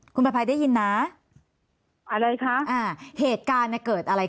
คุณประภัยได้ยินนะอะไรคะอ่าเหตุการณ์เนี่ยเกิดอะไรขึ้น